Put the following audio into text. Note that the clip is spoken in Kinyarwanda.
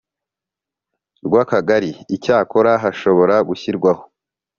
rw Akagari Icyakora hashobora gushyirwaho